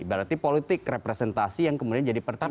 berarti politik representasi yang kemudian jadi pertimbangan